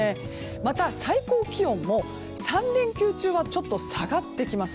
また、最高気温も３連休中は下がってきます。